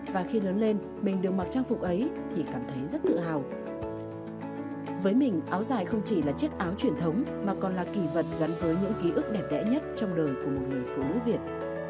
với mình áo dài không chỉ là chiếc áo truyền thống mà còn là kỳ vật gắn với những ký ức đẹp đẽ nhất trong đời của một người phụ nữ việt